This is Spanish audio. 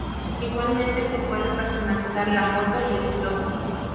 Igualmente se puede personalizar la moto y el piloto.